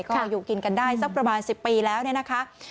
ก็อยู่กินกันได้สักประมาณ๑๐ปีแล้วเนี่ยนะคะ